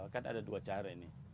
kan ada dua cara ini